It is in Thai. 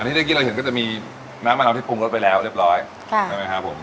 อันนี้ได้กินเราเห็นก็จะมีน้ำมะนาวที่พุงรถไปแล้วเรียบร้อยค่ะใช่ไหมครับผม